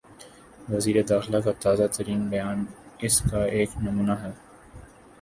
وزیر داخلہ کا تازہ ترین بیان اس کا ایک نمونہ ہے۔